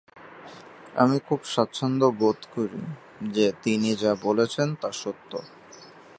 আমি খুব স্বাচ্ছন্দ্যবোধ করি যে তিনি যা বলছেন তা সত্য।